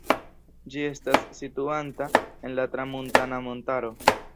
Ĝi estas situanta en la Tramuntana-montaro.